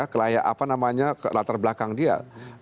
kelayak apa namanya latar belakang dia